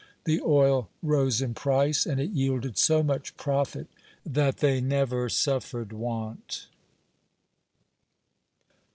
The oil rose in price, and it yielded so much profit that they never suffered want.